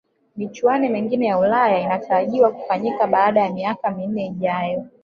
michuano mingine ya ulaya inatarajiwa kufanyika baada ya miaka minne ijayo